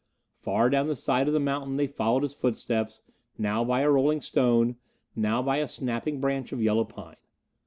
Far down the side of the mountain they followed his footsteps, now by a rolling stone, now by a snapping branch of yellow pine.